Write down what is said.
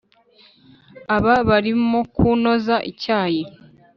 Aba barimokunoza icyayi